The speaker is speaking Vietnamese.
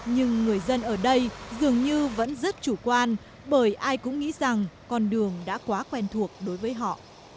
nhưng người dân ở đây dường như vẫn rất chủ quan bởi ai cũng nghĩ rằng con đường đã quá quen thuộc đối với họ